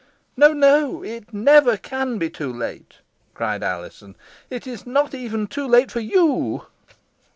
"No, no it never can be too late!" cried Alizon. "It is not even too late for you."